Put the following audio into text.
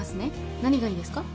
何がいいですか？